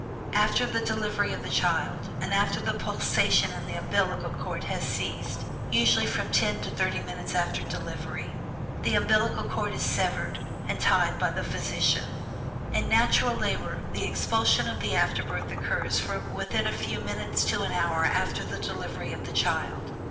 After the delivery of the child, and after the pulsation in the umbillical cord has ceased (usually from ten to thirty minutes after delivery), the umbillical cord is severed and tied by the physician. In natural labor, the expulsion of the afterbirth occurs from within a few minutes to an hour after the delivery of the child.